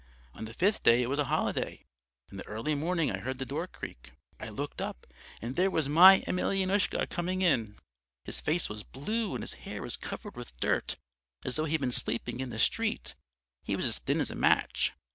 On the fifth day it was a holiday in the early morning I heard the door creak. I looked up and there was my Emelyanoushka coming in. His face was blue and his hair was covered with dirt as though he'd been sleeping in the street; he was as thin as a match.